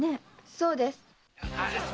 そうです。